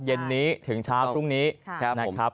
เย็นนี้ถึงเช้าพรุ่งนี้นะครับ